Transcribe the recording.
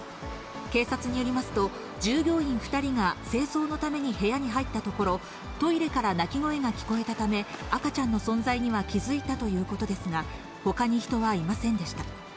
警察によりますと、従業員２人が清掃のために部屋に入ったところ、トイレから泣き声が聞こえたため、赤ちゃんの存在には気付いたということですが、ほかに人はいませんでした。